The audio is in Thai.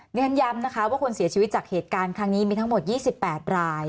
เรียนย้ำนะคะว่าคนเสียชีวิตจากเหตุการณ์ครั้งนี้มีทั้งหมด๒๘ราย